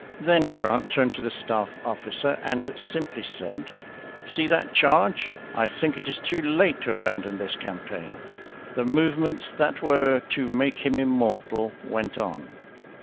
Then Grant turned to the staff officer and simply said, "See that charge! I think it is too late to abandon this campaign." The movements that were to make him immortal went on.